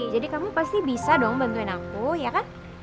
jadi kamu pasti bisa dong bantuin aku ya kan